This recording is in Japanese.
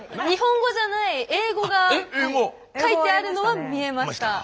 日本語じゃない英語が書いてあるのは見えました。